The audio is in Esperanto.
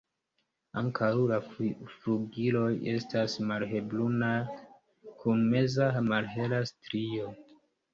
Ankaŭ la flugiloj estas malhelbrunaj kun meza malhela strio.